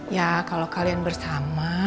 ya kalau kalian bersama